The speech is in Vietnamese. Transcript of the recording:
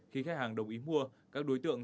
khi khách hàng đồng ý mua các đối tượng